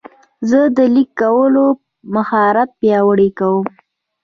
زه د لیک کولو مهارت پیاوړی کوم.